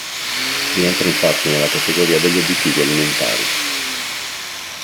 Rientra infatti nella categoria degli additivi alimentari.